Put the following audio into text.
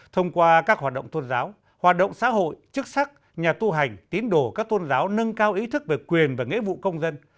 thông qua các hoạt động tôn giáo hoạt động xã hội chức sắc nhà tu hành tín đồ các tôn giáo nâng cao ý thức về quyền và nghĩa vụ công dân